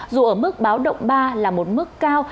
dù ở mức báo động ba là một mức cao